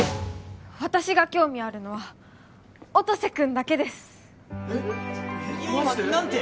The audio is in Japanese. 私が興味あるのは音瀬君だけです・マジで？